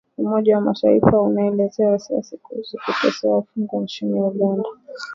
Umoja wa mataifa unaelezea wasiwasi kuhusu kuteswa wafungwa nchini Uganda